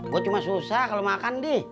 gue cuma susah kalau makan nih